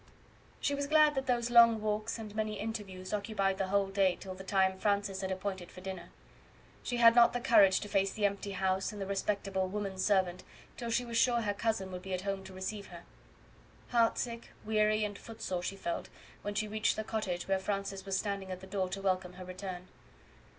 She was glad that those long walks and many interviews occupied the whole day till the time Francis had appointed for dinner; she had not courage to face the empty house and the respectable woman servant till she was sure her cousin would be at home to receive her. Heartsick, weary, and footsore she felt, when she reached the cottage where Francis was standing at the door to welcome her return.